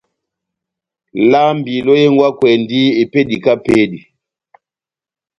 Lambi lohengwakwɛndi epédi kahá epédi.